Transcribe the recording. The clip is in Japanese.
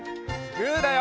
グーだよ！